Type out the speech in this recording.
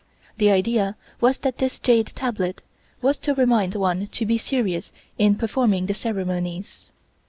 The idea was that this jade tablet was to remind one to be serious in performing the ceremonies.